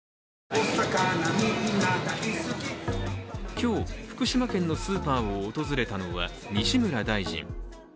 今日、福島県のスーパーを訪れたのは西村大臣。